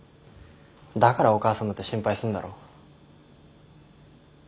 だからお母さんだって心配すんだろ。